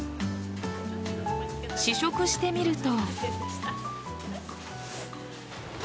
試食してみると。